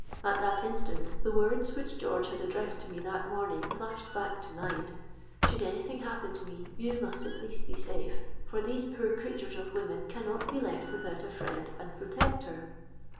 At that instant the words which George had addressed to me that morning, flashed back to mind:—'_Should any thing happen to me, you must be at least safe; for these poor creatures of women cannot be left without a friend and protector.